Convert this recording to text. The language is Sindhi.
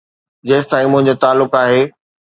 جيستائين منهنجو تعلق آهي.